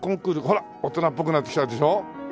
ほら大人っぽくなってきたでしょ？